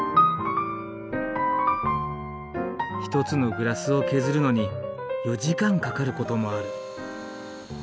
一つのグラスを削るのに４時間かかる事もある。